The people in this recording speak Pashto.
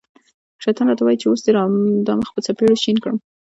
شیطان را ته وايي چې اوس دې دا مخ په څپېړو شین کړم.